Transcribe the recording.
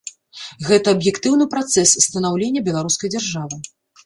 Гэта аб'ектыўны працэс станаўлення беларускай дзяржавы.